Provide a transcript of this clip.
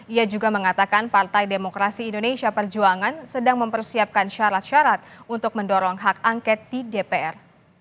ia juga mengatakan partai demokrasi indonesia perjuangan sedang mempersiapkan syarat syarat untuk mendorong hak angket di dpr